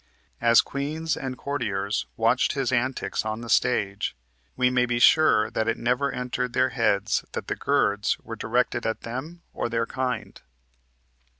As Queen and courtiers watched his antics on the stage, we may be sure that it never entered their heads that the "girds" were directed at them or their kind.